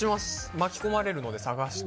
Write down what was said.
巻き込まれるので、探して。